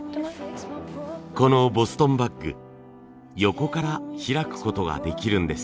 このボストンバッグ横から開くことができるんです。